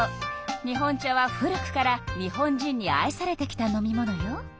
日本茶は古くから日本人に愛されてきた飲み物よ。